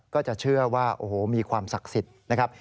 ก็จะเชื่อว่าโอ้โหมีความศักดิ์สิทธิ์นะครับ